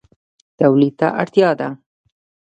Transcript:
تولید ته اړتیا ده